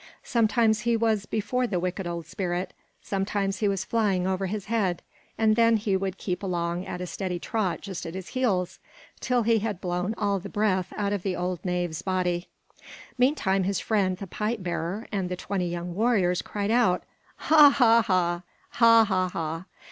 Sometimes he was before the wicked old spirit, sometimes he was flying over his head, and then he would keep along at a steady trot just at his heels, till he had blown all the breath out of the old knave's body. Meantime his friend, the pipe bearer, and the twenty young warriors cried out: "Ha, ha, ha! ha, ha, ha!